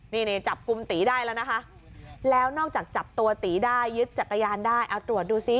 นี่จับกลุ่มตีได้แล้วนะคะแล้วนอกจากจับตัวตีได้ยึดจักรยานได้เอาตรวจดูซิ